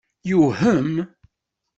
Yewhem?